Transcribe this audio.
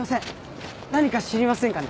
何か知りませんかね？